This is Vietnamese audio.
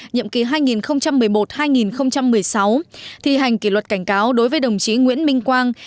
nhiệm kỳ hai nghìn một mươi một hai nghìn một mươi sáu thi hành kỷ luật cảnh cáo đối với đồng chí nguyễn minh quang